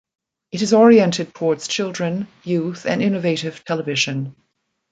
It is oriented towards children, youth and innovative television.